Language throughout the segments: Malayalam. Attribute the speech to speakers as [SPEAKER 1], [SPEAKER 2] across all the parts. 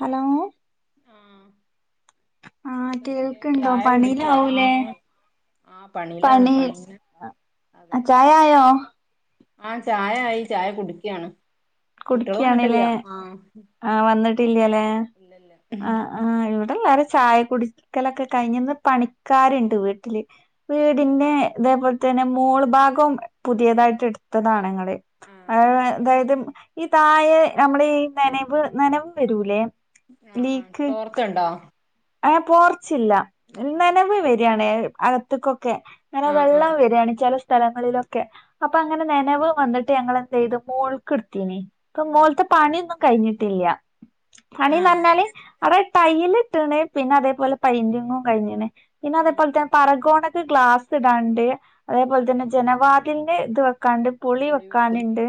[SPEAKER 1] ഹലോ
[SPEAKER 2] ആ
[SPEAKER 1] ആഹ്
[SPEAKER 2] ഇങ്ങട്ട് എന്തൊക്കെ
[SPEAKER 1] കേൾക്ക്ണ്ടോ
[SPEAKER 2] ചായകുടിച്ചോ ആ
[SPEAKER 1] പണിയിലാവൂലേ
[SPEAKER 2] ആ പണീലാണ് പണി
[SPEAKER 1] ചായ ആയോ
[SPEAKER 2] ആ ചായായി ചായ കുടിക്യാണ്
[SPEAKER 1] കുടിക്കാന്ലെ ആ വന്ന് [unintelligible]
[SPEAKER 2] ഇല്ല ല്ലാ
[SPEAKER 1] ല്ലാരും ചായ കുടിക്കലെക്കേ കയിഞ്ഞ് ന്ന് പണിക്കാര്ണ്ട് വീട്ട്ല് വീടിന്നെ ദേ പോലത്തനെ മോള്ഭാഗും പുതിയതായിട്ട് എട്ത്തതാ ങ്ങള്
[SPEAKER 2] ആഹ്
[SPEAKER 1] ആ
[SPEAKER 2] ആഹ്
[SPEAKER 1] ദായത് ഈ തായെ മ്മടെ യീ നെനവ് നെനവ് വെരൂല്ലേ
[SPEAKER 2] തോർത്ത്ണ്ടോ
[SPEAKER 1] ഏ പോർച്ചിൽ [unintelligible] [inaudible] ക്കെ ങ്ങനെ
[SPEAKER 2] ആഹ്
[SPEAKER 1] വെള്ളം
[SPEAKER 2] ആഹ്
[SPEAKER 1] വര് ആണെങ്കി [unintelligible] ക്കെ
[SPEAKER 2] ആഹ്
[SPEAKER 1] അപ്പങ്ങനെ നെനവ് വന്ന് ട്ട് ട്ട് ഞങ്ങളെന്തെയ് തു മോള്ക്കെടുത്തു
[SPEAKER 2] ഉം
[SPEAKER 1] മോള് ത്തെ പണിന്നും കഴിഞ്ഞിട്ടില്യ.
[SPEAKER 2] ആഹ്
[SPEAKER 1] പണിന്നറന്നാല് റെ ടൈല് ട്ടണേ പിന്നതേപോലെ പയ്ന്റിംഗും കയിഞ്ഞിട നെ
[SPEAKER 2] ഉം
[SPEAKER 1] പിന്നതേപോലതന്നെ പറ [inaudible] ഗ്ലാസിടാന്ണ്ട് അതേപോലെ
[SPEAKER 2] ഉം
[SPEAKER 1] തന്നെ ജനവാ പിന്നെ ക്കാണ്ട് പൊളി
[SPEAKER 2] പുളി വെച്ച്
[SPEAKER 1] വെക്കാനുണ്ട്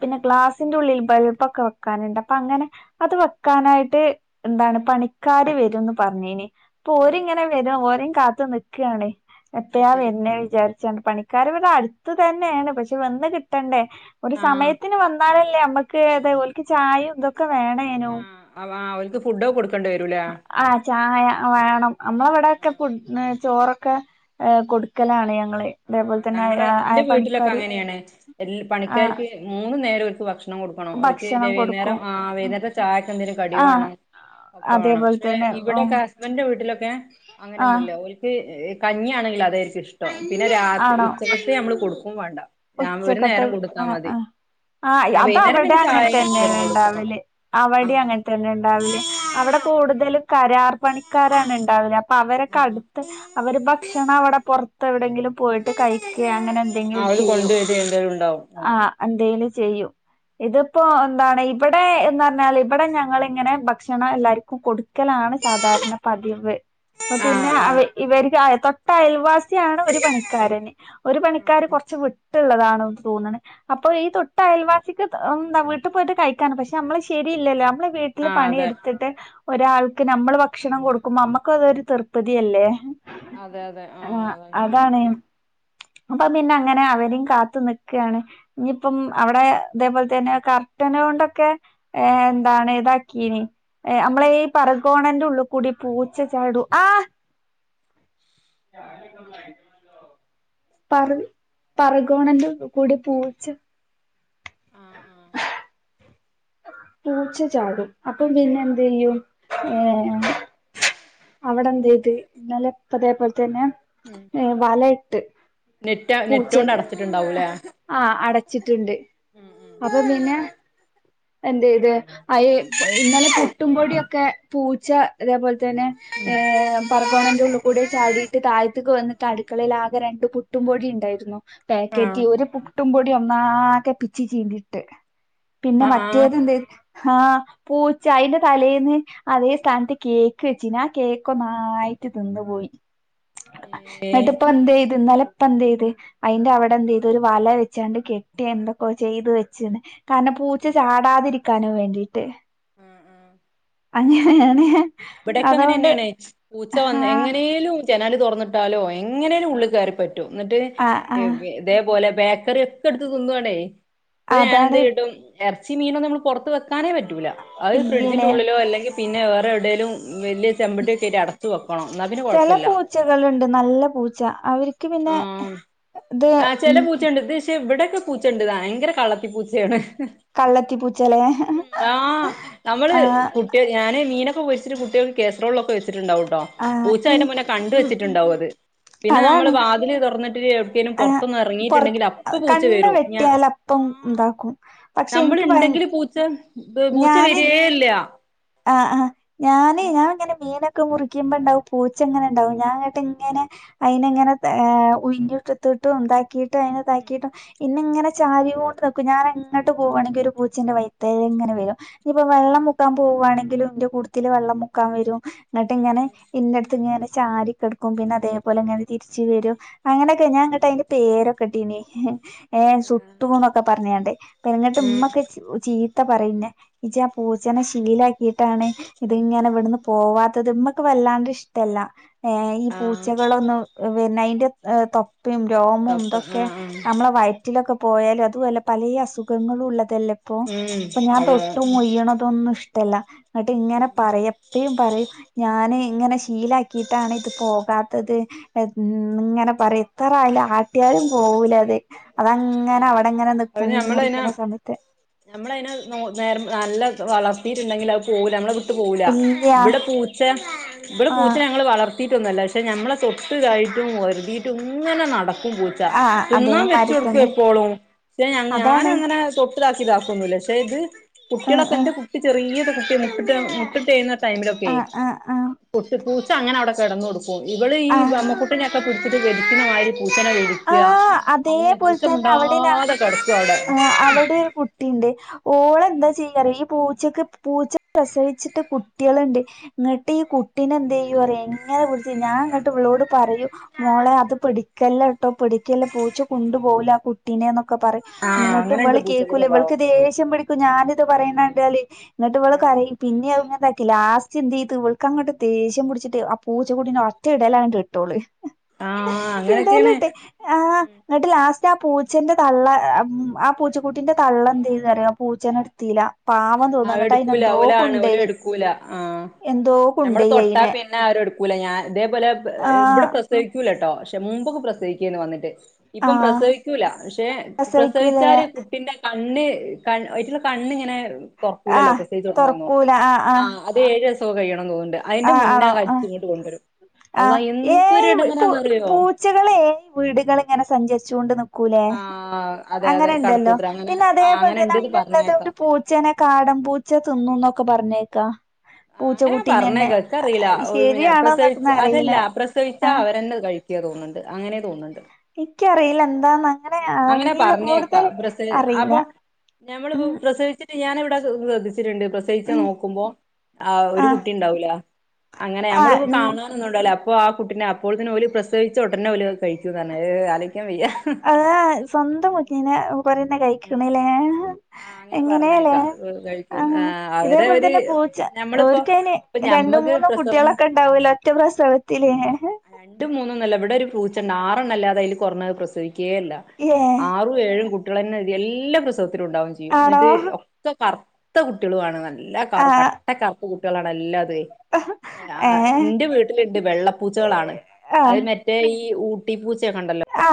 [SPEAKER 1] പിന്നെ
[SPEAKER 2] ആഹ്
[SPEAKER 1] ഗ്ലാസ് ക്കാണ്ട് ള്ളിൽ ബൾബക്കെ വെക്കാനുണ്ട് അപ്പൊ അങ്ങനെ അത് വെക്കാനായിട്ട് എന്താണ് പണിക്കാര് വരുംന്ന് പറഞ്ഞിനി അപ്പൊ
[SPEAKER 2] ആഹ്
[SPEAKER 1] ഓരിങ്ങനെ വരും ഓരേും കാത്തു നിൽക്കുകയാണ്ഞാ
[SPEAKER 2] അത്
[SPEAKER 1] എപ്പയാ
[SPEAKER 2] ശരി
[SPEAKER 1] വെര്നെ വിചാരി
[SPEAKER 2] ആഹ്
[SPEAKER 1] [inaudible] [inaudible]
[SPEAKER 2] ആഹ് അവ ഓൽക്ക് ഫുഡൊക്കെ കൊടുക്കേണ്ടി വരൂലേ
[SPEAKER 1] [inaudible]
[SPEAKER 2] ആഹ്
[SPEAKER 1] [unintelligible] അതേപോലെ തന്നെ ആ പണിക്കാര് ആഹ്
[SPEAKER 2] [unintelligible]
[SPEAKER 1] ഭക്ഷണം കൊടുക്കും
[SPEAKER 2] [unintelligible]
[SPEAKER 1] ആഹ് അതേപോലെ തന്നെ ഉം
[SPEAKER 2] [unintelligible]
[SPEAKER 1] ആഹ്
[SPEAKER 2] [unintelligible]
[SPEAKER 1] ആണോ
[SPEAKER 2] [unintelligible] [unintelligible] ഒരു
[SPEAKER 1] ഉച്ചക്കത്തെ
[SPEAKER 2] നേരം കൊടുത്താ
[SPEAKER 1] ആ
[SPEAKER 2] മതി
[SPEAKER 1] ആ ആ
[SPEAKER 2] വൈകുന്നേരം
[SPEAKER 1] അതവിടെ
[SPEAKER 2] പിന്നെ ചായ
[SPEAKER 1] അങ്ങനെത്ത തന്നെയ
[SPEAKER 2] എന്തേലും കൊടുക്കണം
[SPEAKER 1] ഉണ്ടാവല് അവിടെ
[SPEAKER 2] ആഹ്
[SPEAKER 1] അങ്ങനെ തന്നെ ഉണ്ടാവല് അവിടെ കൂടുതലും കരാർ പണിക്കാരാണ് ഉണ്ടാവ
[SPEAKER 2] ആഹ്
[SPEAKER 1] അവരക്കെടുത്ത് അവര് ഭക്ഷണം അവിടെറ എവിടെെങ്കിലും പോയിട്ട് കഴിക്കുക അങ്ങനെ എന്തെങ്കിലും
[SPEAKER 2] കൊണ്ടുവരേണ്ടരുണ്ടാവും
[SPEAKER 1] എ ചെയ്യും ഇതിപ്പോ എന്താണ് ഇവിടെ എന്ന് പറഞ്ഞാൽ ഇവിടെ ഞങ്ങ ഇങ്ങനെ ഭക്ഷണം എല്ലാർക്കും കൊടു ക്കലാണ് സാധാരണ പതിവ് അപ്പ പിന്നെ
[SPEAKER 2] ആഹ് ആഹ്
[SPEAKER 1] ഇവർക്ക് തട്ടാ അൽവ ാണ് ഒരു പണിക്കാരന് ഒരു പണിക്കാര് കുറ ട്ടുള്ളതാണ് തോന്നുന്നത് അപ്പൊ ഈ തൊട്ട് അയൽവാസിക്ക് എന്താ വീട്ടിൽ പോയിട്ട് കഴിക്കൻ പക്ഷെ നമ്മള് ശരിയല്ലല്ലോ നമ്മ വീട്ടില്
[SPEAKER 2] ആഹ്
[SPEAKER 1] പണിയ
[SPEAKER 2] അതെ
[SPEAKER 1] എടുത്തിട്ട് ഒരാൾക്ക് നമ്മള് ഭക്ഷണം കൊടുക്കുമ്പോ നമ്മുക്ക അതൊരു തൃർപ്പതിയല്ലേ
[SPEAKER 2] അതെ അതെ ആഹ അത
[SPEAKER 1] പ്പമന്ന അങ്ങനെ അവരും കാത്തു നിക്കുകയാണ് ഇനിയിപ്പം അവിടെ അതേപോലെ തന്നെ കർട്ടന കൊണ്ടൊക്കെ ഏ എന്താണ് ഇഏത നമ്മളെ ഈ പറ കോോണന്റെറെ ഉള്ളിൽ കൂടി പൂച്ച ചാട ആ പറ പറകോണണ്ട് കൂടി പൂച്ച്
[SPEAKER 2] ആഹ് ആഹ്
[SPEAKER 1] പൂച്ച ചാട്ടും അപ്പം പിന്നെ എന്ത്
[SPEAKER 2] ആഹ്
[SPEAKER 1] ചെയെയ്യും ഏ അവിടെന്ത് ചെയ്ത് ഇന്നലെപ്പതേ
[SPEAKER 2] ഉം
[SPEAKER 1] വാല എട്ട്
[SPEAKER 2] നെറ്റ് നെറ്റ്ൊണ്ട് അടച്ചിട്ടുണ്ടാവൂലേ
[SPEAKER 1] ണ്ട്
[SPEAKER 2] ഉം ഉം
[SPEAKER 1] അപ്പൊ പിന്നെ എന്ത ഇത് അയ ഇന്നലെ പുട്ടുംപൊടിിയൊക്കെ ഒക്കെ പൂച്ച അതേപോലെ തെ പറഗോണന്റെ ഉള്ള കൂടെ ചാടിയിട്ട് തഴത്തേ വന്നട്ട് അടുക്കളിൽ ആകെ രണ്ട് പുട്ടുമോ ഉണ്ടായിരുന്നു
[SPEAKER 2] ആഹ്
[SPEAKER 1] പാക്കറ്റ് ഒരു ഇട്ടുംപൊടി ഒന്നകെ പിച്ചി ചീന്തിയിട്ട് പിന്നെ
[SPEAKER 2] ആഹ് ആഹ്
[SPEAKER 1] ഏതെന്ത് ഹാ പൂച്ച അയ്ന്റെ തലേന്ന് അതേ സ്താനത്ത് കേ ക്ക്ച്ചിനി ആ കേക്കൊന്നായ്ട്ട് തിന്ന് പോയി
[SPEAKER 2] ഏഹ്
[SPEAKER 1] ന്ന്ട്ട്പ്പ ന്തെയ്ത് ഇന്നലെ ഇപ്പ എന്തെയ്ത് അയ്ന്റെ അവടെ എന്തെയ്ത് ഒര് വല വെച്ചാണ്ട് കെട്ടി എന്തൊക്കോ ചെയ്ത് വെച്ച്ണ് കാരണം പൂച്ച ചാടാതിരിക്കാനും വേണ്ടീട്ട്
[SPEAKER 2] അ ആ
[SPEAKER 1] അങ്ങനെങ്ങനെ
[SPEAKER 2] ഇവിടെക്കെ അങ്ങനെന്നേണ് പൂച്ച വന്ന് എങ്ങനേലും ജെനാല് തൊറന്ന്ട്ടാലോ എങ്ങനേലും ഉള്ള് കേറി പറ്റും ന്ന്ട്ട്
[SPEAKER 1] ആഹ് ആഹ്
[SPEAKER 2] ഇതേപോലെ ബേക്കറി ഒക്കെ ട്ത്ത് തിന്നുവാണേ ഇപ്പ
[SPEAKER 1] അതാണ്
[SPEAKER 2] ഞാനെന്ത് ചെയ്ട്ടും എർച്ചിം മീനൊന്നുംമ്മള് പൊറത്ത് വെക് കാനേ പറ്റൂല അത് ഫ്രിഡ്ജിന്റെ
[SPEAKER 1] ഇല്ല്യലേ
[SPEAKER 2] ഉള്ളിലോ അല്ലെങ്കി പിന്നെ വേറെ വ്ടേലും വല്യ ചെമ്പട്ടിക്കെയ്ട്ട് അടത്ത് വെക്കണം ന്നാ പിന്നെ
[SPEAKER 1] ചെല
[SPEAKER 2] കൊഴപ്പല്ല
[SPEAKER 1] ക്ക് പിന്നെ ത് ഉം
[SPEAKER 2] ഇവ്ടെക്കെ പൂച്ചെണ്ട് ദയങ്കര കളളത്തി പൂച്ചേണ്
[SPEAKER 1] കള്ളത്തി പൂച്ചലേ
[SPEAKER 2] ഉം ആ നമ്മള്
[SPEAKER 1] ആഹ്
[SPEAKER 2] കുട്ടി ഞാന് മീനൊക്കെ പൊരിച്ചിട്ട് കുട്ട്യേൾക്ക് കേ എത്രക്ക ുണ്ടട്ടോ
[SPEAKER 1] ആഹ്
[SPEAKER 2] പൂച്ചായെ
[SPEAKER 1] ഇൻക്ക്
[SPEAKER 2] കണ്ട
[SPEAKER 1] ഉം ഉം
[SPEAKER 2] വെച്ചിട്ടുണ്ടാവും അത് പിന്നെ
[SPEAKER 1] അതാണ്
[SPEAKER 2] നമ്മ തുറന്നി് എവിടേലും
[SPEAKER 1] ആഹ്
[SPEAKER 2] പുറത്തന്ന്
[SPEAKER 1] പൊറത്ത്
[SPEAKER 2] ഇറങ്ങിട്ടുണ്ടെങ്കി അപ്പ പൂച്ച
[SPEAKER 1] കണ്ണ്
[SPEAKER 2] വരും ഞ
[SPEAKER 1] വെട്ടിയാലപ്പം
[SPEAKER 2] ആ
[SPEAKER 1] ഇതാക്കും പക്ഷെ ഇൻക്ക് ഭയ
[SPEAKER 2] നമ്മള്ണ്ടെങ്കില് പൂച്ച പൂച്ച
[SPEAKER 1] ഞാന്
[SPEAKER 2] വരേ ഇല്ല.
[SPEAKER 1] ആഹ് ആ ഞാന് ഞാൻ ഇങ്ങനെ മീനൊ മുറിക്കുമ്പോണ്ടാവും പൂച്ച എങ്ങനെ ഉണ്ടാവും ഞാങ്ങട്ട് ഇങ്ങനെ അതിനെ എങ്ങനെ ഉഞ്ഞിട്ടട്ടും ഉാക്ക താക്കിയിട്ടും അതിന താക്കിയിട്ടും പിന്നെ ഇങ്ങനെ ചാരി കൊണ്ട് നോക്കും ഞാൻ എങ്ങട്ട പോവാണെങ്കി ഒരു പൂച്ചെന്റെ വൈത്തേ ഇങ്ങനെ വരും. ഇപ്പൊ വെള്ളം മുക്കാ പോവാണെങ്കിലും ഇന്റെ കൂട്ടത്തി വള്ളം മുക്കാൻ വരും. എന്നിട്ട് ഇങ്ങനെ ഇന്നടുത്ത്ങ്ങനെ ചാരി കെടക്കും പിന്നെ അതേപോലെ ഇങ്ങനെ തിരിച്ച വരും അങ്ങനെയൊക്കെ ഞാൻ കേട്ട് അതിന്റെ പേരൊക്കെ ഇട്ടീന ഏഹ്ശുട്ടൂന്നൊക്കെ പറഞ്ഞണ്ടേ പ എങ്ങിട്ട്
[SPEAKER 2] ഉം
[SPEAKER 1] ഇമ്മൊക്കെ ചി പറുന്നേ ാ പൂജ ില ീട്ടാണ് ഇത് ഇങ്ങനെ ഇവിടുന്ന് പോവാത്തത് മ്മക്ക് വല്ലാണ്ട് ഇഷ്ടല്ല. ഏ ഈ
[SPEAKER 2] ആഹ്
[SPEAKER 1] പൂച്ചകളൊന്നും പിന്നെ ആ [unintelligible] ഉപ്പും രോമും
[SPEAKER 2] കപ്പ
[SPEAKER 1] ഇതൊക്കെ
[SPEAKER 2] ആഹ് ആഹ്
[SPEAKER 1] നമ്മളെ വയറ്റിലൊക്കെ പോയാലും അതും അല്ല പലേ അസുഖങ്ങളും ഉള്ള അതല്ല ഇപ്പൊ
[SPEAKER 2] ഉം
[SPEAKER 1] അപ്പൊ ഞാൻ
[SPEAKER 2] അതെ
[SPEAKER 1] തൊട്ട് മൊയ്യണതൊന്നും ഇഷ്ട ല്ല എന്നട്ട് ഇങ്ങനെ പറയും എപ്പയും പറയും ഞാന് അങ്ങന ശീലാക്കിയിട്ടാണ് ഇത് പോകാത്തത് ഇങ്ങനെ പറയും ഇത്രായല്ല ആട്ടിയാലും പോവൂലത്െ
[SPEAKER 2] ഉ അ നഞമ്മളനെ
[SPEAKER 1] മുറിക്കണ സമയത്ത്
[SPEAKER 2] നമ്മളനെ നേരം നല്ല വളർ ട്ടുണ്ടെങ്കിൽ പോക നമ്മ പോവൂല
[SPEAKER 1] ഇല്ല്യ
[SPEAKER 2] ഇവിട പൂച്ച ഇവിടെ
[SPEAKER 1] ആഹ്
[SPEAKER 2] പൂച്ച ഞങ്ങൾ വളർ ട്ടിട്ടൊന്നു അല്ല ഷെ ഞമ്മളെ തൊട്ട് [unintelligible] ഒര്തീട്ടുംങ്ങനെ നട ക്കും പൂച്ച
[SPEAKER 1] ആഹ്
[SPEAKER 2] തിന്നാൻ
[SPEAKER 1] അതേമാരി
[SPEAKER 2] വെച്ചൊട്
[SPEAKER 1] തന്നെ
[SPEAKER 2] ക്കെപ്പോളും ഏ അങ്ങെ
[SPEAKER 1] അതാണ്
[SPEAKER 2] ഞാനങ്ങനെ സൊ ലാക്കിതാക്കൊന്നുല്ല ഷേ ത്
[SPEAKER 1] ആഹ്
[SPEAKER 2] കുട്ട്യളൊക്കെ ന്റെ കുട്ടി ചെറിയ [unintelligible] യ്യ്ന്നത് മ് ലൊക്കെ
[SPEAKER 1] ആഹ് ആഹ് ആഹ്
[SPEAKER 2] പൊട്ട് പൂ ത്അങ്ങനെവ്ടെ കെടന്ന്കൊട് ക്കും ഇവള് ഈ
[SPEAKER 1] ആഹ് ആഹ്
[SPEAKER 2] ബമ്മ കുട്ടിനൊക്കെ പി ത് വലിക്കുന്നമായ്രി [unintelligible] ക്കാ
[SPEAKER 1] ആഹ്
[SPEAKER 2] അങ്ങനെ ത്തും മുണ്ടാതെ കട്
[SPEAKER 1] ആ അവ്‌ടെ കുട്ടിണ്ട് ഓളെന്താ ചെയ്യാറിയോ പൂച്ചക്ക് പൂച്ച പ്രസവിച്ച്ട്ട് കുട്ട്യേള്ണ്ട്. ങ്ങട്ട് ഈ കുട്ടിനെന്തേയ്യു അറ്യോ ഇങ്ങനെ പിട്ച്ച് ഞാങ്ങട്ട് വളോട് പറയും മോളെ അത്‌ പിടിക്കല്ലെ ട്ടൊ പിടിക്കല്ലെ പൂച്ച കൊണ്ടുപോവൂല ആ കുട്ടിനെ ന്നൊക്കെ പർ
[SPEAKER 2] ആഹ്
[SPEAKER 1] ന്നട്ട്
[SPEAKER 2] അങ്ങനെണ്ട്
[SPEAKER 1] വള്
[SPEAKER 2] പൂച്ചക്ക്
[SPEAKER 1] കേക്കൂല. ഇവൾക്ക്
[SPEAKER 2] സ്വഭാവം
[SPEAKER 1] ദേഷ്യം പിടിക്കും ഞാനിത് പറിണെ ണ്ടാല് ന്നട്ട് വള് കരയും. പിന്നിം അഹ് ക്കിലാസ്റ്റെയ്ത് ഇവൾക്കങ്ങട്ട് ദേഷ്യം പുട്ച്ചിട്ടെ ആ പൂച്ചകുട്ടിനെ ഒറ്റഇടലാണ്ട് ഇട്ടോള്.
[SPEAKER 2] ആഹ് അങ്ങനൊക്കെയാണ്
[SPEAKER 1] ഇടല്ട്ട് ആഹ് ന്നട്ട് ലാസ് റ്റ പൂച്ചന്റെ തള്ള ആ പൂച്ച കുട്ടിന്റെ തള്ളന്തേയ്തറിയോ പൂച്ചനെ ഇട്തീല
[SPEAKER 2] ആഹ്എടുക്കൂല ഓലാണ് ഓലെടുക്കൂല. ആഹ്
[SPEAKER 1] എന്തോ
[SPEAKER 2] നമ്മള്
[SPEAKER 1] കൊണ്ടോയി
[SPEAKER 2] തൊട്ടാ
[SPEAKER 1] അയിനെ
[SPEAKER 2] പിന്നെ അവരെടുക്കൂല. ഞാൻ ഇതേപൊലെ ബെ ബടെ
[SPEAKER 1] ആഹ്
[SPEAKER 2] പ്രസവിക്കൂല ട്ടോ ക്ഷെ മുമ്പൊക്കെ പ്രസവിക്കേനു വന്ന്ട്ട്. ഇപ്പം
[SPEAKER 1] ആഹ്
[SPEAKER 2] പ്രസവിക്കൂല. ക്ഷെ
[SPEAKER 1] പ്രസവിക്കൂലേ
[SPEAKER 2] പ്രസവിച്ചാര് കുട്ടിന്റെ കണ്ണ് കൺ അയ്റ്റെളെ കണ്ണ്ങ്ങനെ തൊർകൂലല്ലൊ പ്രസവിച്ചൊട്ങ്ങുമ്പം. ആഹ് അത് ഏഴ് സോ കഴിയണം തോ
[SPEAKER 1] ആഹ് ആണോ ആഹ്
[SPEAKER 2] അള്ളാ
[SPEAKER 1] ആഹ് ഏ
[SPEAKER 2] എന്തൊരു
[SPEAKER 1] മ പു
[SPEAKER 2] എടങ്ങേറാന്നറിയോ
[SPEAKER 1] പൂച്ചകളെ ഏഹ് വീടുകള്ങ്ങനെ സഞ്ചര്ചോണ്ട് നിക്കും ക്കുലെ
[SPEAKER 2] ആഹ് അതെ അതെ
[SPEAKER 1] അങ്ങനെ ണ്ടല്ലോ
[SPEAKER 2] കടത്തൂത്രം അങ്ങനെ
[SPEAKER 1] പിന്നെ
[SPEAKER 2] ആഹ്
[SPEAKER 1] അതേപോലെ
[SPEAKER 2] അങ്ങനെ
[SPEAKER 1] തന്നെ
[SPEAKER 2] ഇണ്ട്ന്ന്
[SPEAKER 1] അതിലുണ്ടത് ഒരു
[SPEAKER 2] പറഞ്ഞേക്കാം
[SPEAKER 1] പൂച്ചേനെ കാടം പൂച്ച തിന്നുന്നൊ ഒക്കെ പറഞ്ഞേക്കാ പൂച്ചകുട്ടീനന്നെ
[SPEAKER 2] എനക്ക് അറിയില്ല പ്രസവി അതല്ല പ്രസവിച്ചാ
[SPEAKER 1] ആഹ്
[SPEAKER 2] അവര് തന്നെ കഴിക്കാ തോന്നുണ്ട് ലേ തോന്നുണ്ട്
[SPEAKER 1] എനിക്കറിയില്ല അന്ന്
[SPEAKER 2] അങ്ങനെ
[SPEAKER 1] അങ്ങനെയാണെങ്കി കൂടുതൽ അറിയില്ല
[SPEAKER 2] നമ്മള് ഇപ്പൊ
[SPEAKER 1] ഉം
[SPEAKER 2] പ്രസവിച്ചിട്ട് ഞാൻ ഇവിടാ [unintelligible] [unintelligible] പ്രസവിച്ചേ
[SPEAKER 1] ഉം
[SPEAKER 2] നോക്കുമ്പോ ആ ഒരു
[SPEAKER 1] ആഹ്
[SPEAKER 2] കുട്ടി ഉണ്ടാവൂല്ല അങ്ങനെ നമ്മള്
[SPEAKER 1] ആഹ് ഉം
[SPEAKER 2] ഇപ്പൊ [unintelligible] ആ കുട്ടിനെ അപ്പൊ തന്നെ പ്രസവിച്ച ഉടനെ ഓല് കഴിക്കും ങ് ആലോചിക്കാൻ ക്കാൻ വയ്യ
[SPEAKER 1] അതാ സ്വന്തം കൊച്ചിനെ ഓ ഓരന്നെ
[SPEAKER 2] ഉം
[SPEAKER 1] കഴിക്ക്ണേ ല്ലേ
[SPEAKER 2] ആഹ് അങ്ങനെ പറഞ്ഞേക്കാം കഴിക്കുമെന്ന്
[SPEAKER 1] ആഹ്
[SPEAKER 2] അവര്
[SPEAKER 1] ഇതേപോലെ
[SPEAKER 2] അവര്
[SPEAKER 1] തന്നെ പൂച്ച
[SPEAKER 2] നമ്മളൊപ്പോ
[SPEAKER 1] ഓര്ക്കയിന്
[SPEAKER 2] ഇപ്പൊ
[SPEAKER 1] രണ്ടും
[SPEAKER 2] ഞമ്മക്ക്
[SPEAKER 1] മൂന്നും
[SPEAKER 2] പ്രസവം
[SPEAKER 1] കുട്ടികളൊക്കെ ഉണ്ടാവൂലോ ഒറ്റ പ്രസവത്തില്
[SPEAKER 2] രണ്ടും മൂന്നന്നല്ല ഇവിടെ ഒരു പൂച്ചയുണ്ട് ആറെണ്ണ അതയല് കൊറഞ്ഞത് പ്രസവിക്കും കെയല്ല
[SPEAKER 1] ഏഹ്
[SPEAKER 2] ആറും ഏഴും കു [unintelligible] എല്ലാ പ്ര [unintelligible] ഉണ്ടാവും ചെയ്യും
[SPEAKER 1] ആണോ
[SPEAKER 2] എന്നിട്ട് ഒക്കെ കർ [unintelligible] കുട്ടികളും ആണ് നല്ല എല്ലാം കറു
[SPEAKER 1] ആഹ്
[SPEAKER 2] കട്ട കർ [unintelligible] ആ
[SPEAKER 1] ഏഹ്
[SPEAKER 2] എന്റെ വീട്ടില് ഉണ്ട് വെള്ള പൂച്ചക്കളാണ് അത് മറ്റേ ഈ ഈ ഊട്ടി പൂച്ച്
[SPEAKER 1] ആ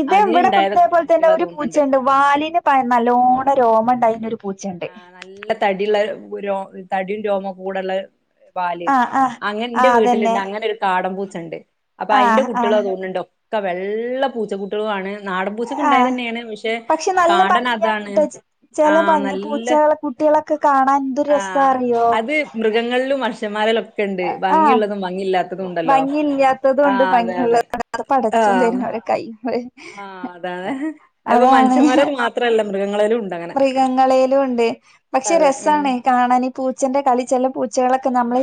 [SPEAKER 1] ഇത് ഇവിടുത്തെ [unintelligible] പോലത്തെ
[SPEAKER 2] കുട്ടികളാ
[SPEAKER 1] ഒരു പൂച്ച
[SPEAKER 2] തോന്നുന്നുണ്ട്
[SPEAKER 1] ഉണ്ട് വാലിന് നല്ലോണം രോമം [unintelligible]
[SPEAKER 2] ആ നല്ല തടിയുള്ള രോ തടിയും രോമവും [unintelligible] വാല്
[SPEAKER 1] ആഹ് ആഹ്
[SPEAKER 2] അങ്ങ് എന്റെ
[SPEAKER 1] ആഹ്
[SPEAKER 2] വീട്ടിൽ
[SPEAKER 1] അതന്നെ
[SPEAKER 2] ഉണ്ട് അങ്ങനെ ഒരു കാടൻ പൂച്ച [inaudible] അപ്പൊ അതിന്റെ
[SPEAKER 1] ആഹ് ആഹ്
[SPEAKER 2] കുട്ടികളാ [unintelligible] വെള്ള പൂച്ച കുട്ടികളും ആണ് നാടൻ പൂച്ചക്ക് ഉണ്ടായത്
[SPEAKER 1] ആഹ്
[SPEAKER 2] തന്നെയാണ് പക്ഷെ
[SPEAKER 1] നല്ല
[SPEAKER 2] കാടൻ
[SPEAKER 1] ഭംഗിയാണ്
[SPEAKER 2] അതാണ്
[SPEAKER 1] ട്ടോ
[SPEAKER 2] ആ
[SPEAKER 1] ചെല
[SPEAKER 2] നല്ല
[SPEAKER 1] [unintelligible] കാണാൻ എന്ത്
[SPEAKER 2] ആ
[SPEAKER 1] രസാ അറിയോ
[SPEAKER 2] അത് മൃഗങ്ങളിലും മനഷ്യന്മാരിലൊ
[SPEAKER 1] ആ ഭംഗില്ല്യാത്തതും
[SPEAKER 2] ആ
[SPEAKER 1] ഉണ്ട്
[SPEAKER 2] അതെ അതെ
[SPEAKER 1] ഭംഗിയള്ളതും ഉണ്ട് അത്
[SPEAKER 2] ആ
[SPEAKER 1] പടച്ചോൻ തരുന്ന അവരെ കൈ [inaudible]
[SPEAKER 2] ആ അതാണ് അതിപ്പൊ മനുഷ്യന്മാര മാത്രല്ല മൃഗങ്ങളിലും ഉണ്ട് അങ്ങനെ
[SPEAKER 1] മൃഗങ്ങളിലും ഉണ്ട് പക്ഷെ
[SPEAKER 2] അതെ ഉം
[SPEAKER 1] രസാണ് കാണാൻ ഈ പൂച്ചന്റെ കളി ചെല പൂച്ചകളൊ നമ്മള്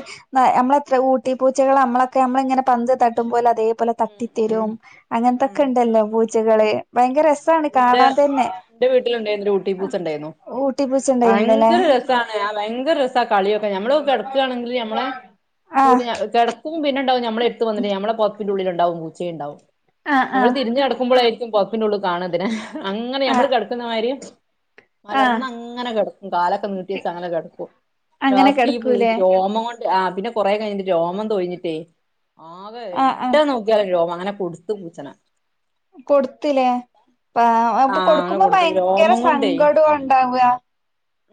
[SPEAKER 1] നമ്മളെത്ര ഊട്ടി പൂച്ചകൾ നമ്മളൊക്കെ നമ്മളിങ്ങനെ പന്ത് തട്ടുംപോലെ അതേ അതേപോലെ
[SPEAKER 2] ഉം ഉം
[SPEAKER 1] തട്ടിത്തരും അങ്ങനത്തൊക്കെ ഉണ്ടല്ലോ പൂ ച്ചകള് ഭയങ്കര രസ്
[SPEAKER 2] എന്റെ എന്റെ വീട്ടിലുണ്ടായിരുന്നൊരു ഊട്ടി പൂ സണ്ടായിരുന്നു
[SPEAKER 1] ഊട്ടി പൂച്ച ഉണ്ടായിരുന്നല്ലേ
[SPEAKER 2] ഭയങ്കര രസാണ് ആ ഭയങ്കര ത്ത കളിയൊക്കെ ഞമ്മൾ കിടക്കാണെങ്കില് ഞമ്മടെ
[SPEAKER 1] ആഹ്
[SPEAKER 2] കൂടെ നാ കിടക്കും പിന്നെ ട്ടോ ഞമ്മടെ എടുത്തുവന്നിട്ട് ഞമ്മടെ പുതപ്പിന്റുള്ളില് ഉ ണ്ടാവും പൂച്ച ഇണ്ടാവും
[SPEAKER 1] ആഹ്
[SPEAKER 2] നമ്മൾ
[SPEAKER 1] ആഹ്
[SPEAKER 2] തിരിഞ്ഞുകിടക്കുമ്പോളായിരിക്കും പൊത ൻ്റുള്ള് കാണതിനെ അങ്ങനെ ഞമ്മള്
[SPEAKER 1] ആഹ്
[SPEAKER 2] കിടക്കുന്നമാതിരി
[SPEAKER 1] ആഹ്
[SPEAKER 2] മലർന്നങ്ങനെ കിടക്കും കാലൊക്കെ നീട്ടിവെച്ചെങ്ങനെ കെടക്കും
[SPEAKER 1] അങ്ങനെ
[SPEAKER 2] ലാസ്‌റ്റീ ബു
[SPEAKER 1] കിടക്കൂലേ
[SPEAKER 2] രോമം കൊണ്ട് ആ പിന്നെ കുറേ കഴിഞ്ഞിട്ട് രോമം തൊഴിഞ്ഞിട്ടേ ആകെ
[SPEAKER 1] ആഹ്
[SPEAKER 2] എവിടെ
[SPEAKER 1] ആഹ്
[SPEAKER 2] നോക്കിയാലും രോമാ അങ്ങനെ കൊടുത്തു പൂച്ചേനെ
[SPEAKER 1] കൊടുത് ത്തില്ലേ പാവ
[SPEAKER 2] ആ
[SPEAKER 1] അപ്പൊ
[SPEAKER 2] അങ്ങനെ
[SPEAKER 1] കൊടുക്കുമ്പോ
[SPEAKER 2] കൊടുത്തു
[SPEAKER 1] ഭയങ്കര
[SPEAKER 2] രോമം കൊണ്ടേ
[SPEAKER 1] സങ്കടോ ഉണ്ടാവാ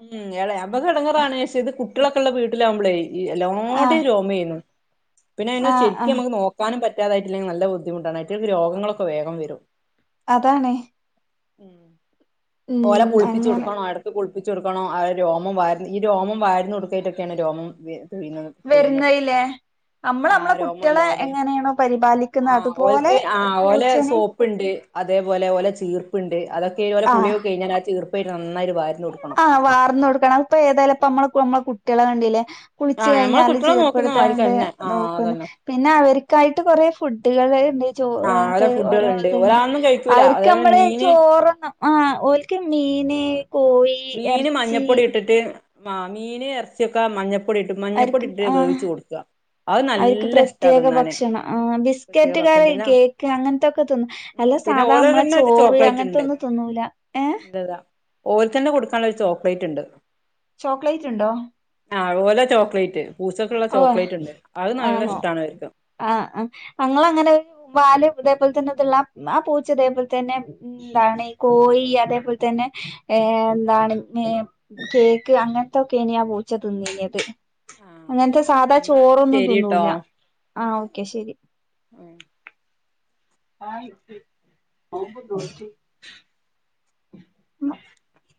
[SPEAKER 2] ഉം എളെ ആക് മ്മക്ക് ഇടങ്ങേറാണ് പക്ഷേ ഇത് കുട്ട് കളൊക്കെ ഉള്ള വീട്ടിൽ ആവുമ്പളേ ഈ
[SPEAKER 1] ആഹ്
[SPEAKER 2] എല്ലാടേം രോമാരുന്നു പിന്നെ അതിനെ
[SPEAKER 1] ആഹ്
[SPEAKER 2] ശെരിക്ക്
[SPEAKER 1] ആഹ്
[SPEAKER 2] നമ്മക്ക് നോക്കാനും പറ്റ് പറ്റാതായിട്ടില്ലെങ്കിൽ നല്ല ബുദ്ധിമുട്ടാണ് അവറ്റോൾക്ക് രോഗങ്ങളൊക്കെ വേഗം വരും
[SPEAKER 1] അതാണ്
[SPEAKER 2] ഉം
[SPEAKER 1] ഉം
[SPEAKER 2] ഓലെ കുളിപ്പിച്ചു
[SPEAKER 1] അങ്ങനെ
[SPEAKER 2] കൊടുക്കണോ എടക്ക് കുളിപ്പി വിച്ച് കൊടുക്കണം ആ രോമം വാരുന്നു ഈ രോമം വാരുന്നു ഏതൊക്കെയാണ് രോമം വീഴ്ന്നത് പൊഴിയുന്നത്
[SPEAKER 1] വരുന്നതില്ലേ നമ്മള്
[SPEAKER 2] ആ
[SPEAKER 1] നമ്മളെ
[SPEAKER 2] രോമല്ലോ
[SPEAKER 1] കുട്ടികളെ
[SPEAKER 2] അവിടെ
[SPEAKER 1] എങ്ങനെയാണോ
[SPEAKER 2] ആ
[SPEAKER 1] പരിപാലിക്കുന്നത് അതുപോലെ
[SPEAKER 2] ഓൾക്ക് ആ ഓല
[SPEAKER 1] പൂച്ചേനേം
[SPEAKER 2] സോപ്പിണ്ട്. അതേപോലെ ഓലെ ചീർപ്പിണ്ട് അതൊക്ക ഇതുപോലെ കുളിയൊ കഴിഞ്ഞാൽ ആ ചീർ- ഇപ്പൊ ഇരുന്നു നന്നായിരു വാരുന്നു
[SPEAKER 1] ആ വാർന്ന് കൊടുക്കണം ഇപ്പൊ ഏതായാലും പ്പമ്മളക്കു മ്മളക്കു കുട്ട്യളെ കണ്ടീലേ
[SPEAKER 2] ആ
[SPEAKER 1] കുളിച്ചു
[SPEAKER 2] ഞമ്മളെ
[SPEAKER 1] കഴിഞ്ഞാല്
[SPEAKER 2] കുട്ടികളെ നോക്കുന്ന
[SPEAKER 1] ചീർപ്പെടുത്താണ്ട്
[SPEAKER 2] മാതിരിക്കന്നെ ആ
[SPEAKER 1] നോക്കുന്ന്
[SPEAKER 2] അതന്നെ
[SPEAKER 1] പിന്നെ
[SPEAKER 2] ഉം
[SPEAKER 1] അവർക്കായിട്ട് കുറേ ഫു ട്ടികള് ചൊ
[SPEAKER 2] ആഹ് ഓലെ ഫുഡുകളുണ്ട്
[SPEAKER 1] [unintelligible]
[SPEAKER 2] ഒരാളൊന്നും കഴിക്കൂല
[SPEAKER 1] അവർക്ക്
[SPEAKER 2] അതേപോലെ
[SPEAKER 1] നമ്മള്
[SPEAKER 2] മീന്
[SPEAKER 1] ചോറ് ആ ഓൽക്ക് മീന് നീ കോ
[SPEAKER 2] മീന് മഞ്ഞപ്പൊടി ഇട്ടിട്ട് ആ മീന് ഇറച്ചിയൊക്കെ മഞ്ഞ
[SPEAKER 1] അവർക്ക് ആ
[SPEAKER 2] അത്
[SPEAKER 1] അവർക്ക്
[SPEAKER 2] നല്ല ഇഷ്ടാ
[SPEAKER 1] പ്രത്യേക
[SPEAKER 2] തിന്നാന്
[SPEAKER 1] ഭക്ഷണം ആ
[SPEAKER 2] പ്രത്യേക
[SPEAKER 1] ബിസ്കറ്റ്
[SPEAKER 2] ഭക്ഷണം
[SPEAKER 1] കറി
[SPEAKER 2] പിന്നെ
[SPEAKER 1] കേക്ക് അങ്ങനത്തൊക്കെ തിന്നും
[SPEAKER 2] ഉം
[SPEAKER 1] അല്ല
[SPEAKER 2] പിന്നെ
[SPEAKER 1] സാധാ
[SPEAKER 2] ഓലെ
[SPEAKER 1] നമ്മളെ
[SPEAKER 2] തന്നെ ഒരു
[SPEAKER 1] ചോറ്
[SPEAKER 2] ചോക്ലേറ്റ് ഉണ്ട്
[SPEAKER 1] അങ്ങനത്തൊന്നും തിന്നൂല. ഏ
[SPEAKER 2] ഇന്റതാ ഓൽക്കന്നെ കൊടുക്കാനുള്ള ചോക്ലേറ്റ് ഇണ്ട്.
[SPEAKER 1] ചോക്ലേറ്റ് ഇണ്ടോ?
[SPEAKER 2] ഓലെ ചോക്ലേറ്റ് പൂച്ചക്കുള്ള
[SPEAKER 1] ഓ
[SPEAKER 2] ചോക്ലേറ്റ് ഉണ്ട് അത് നല്ല
[SPEAKER 1] ആണോ
[SPEAKER 2] ഇഷ്ടാണ് അവർക്ക്
[SPEAKER 1] ആ ഞങ്ങളങ്ങനെ വാല് അതേപോലെ തന്നെ അതുള്ള ആ പൂച്ച അതേപോലെ തന്നെ എന്താണ് ഈ കോയി അതേപോലെ തന്നെ എന്താണ് കേ അങ്ങനത്തോക്കെനാ പൂച്ച തിന്നീനിയത്.
[SPEAKER 2] ആഹ്
[SPEAKER 1] അങ്ങനത്തെ സാധാ
[SPEAKER 2] എന്നാ
[SPEAKER 1] ചോറൊന്നും
[SPEAKER 2] ശരിട്ടോ
[SPEAKER 1] തിന്നൂല. ആ ഓക്കെ ശരി.
[SPEAKER 2] ഉം
[SPEAKER 1] ആ [unintelligible]